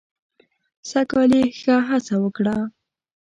سږ کال یې ښه هڅه وکړه.